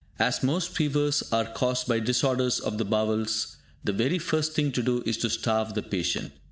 As most fevers are caused by disorders of the bowels, the very first thing to do is to starve the patient.